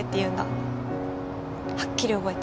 はっきり覚えてる。